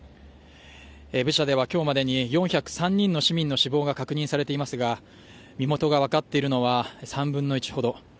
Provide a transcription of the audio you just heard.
ブチャでは今日までに４０３人の市民の死亡が確認されていますが身元が分かっているのは３分の１ほど。